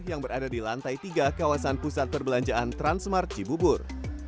yang berada di lantai tiga kawasan pusat perbelanjaan transmart cibubur